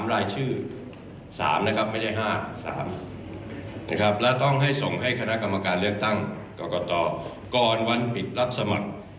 และต้องให้ส่งให้คณะกรรมการเลือกตั้งก็กดต่อก่อนวันผิดรับสมรรดิ